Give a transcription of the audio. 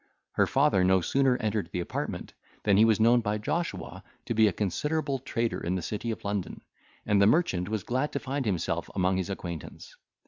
Her father no sooner entered the apartment, than he was known by Joshua to be a considerable trader in the city of London, and the merchant was glad to find himself among his acquaintance.